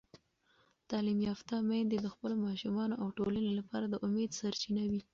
تعلیم یافته میندې د خپلو ماشومانو او ټولنې لپاره د امید سرچینه وي.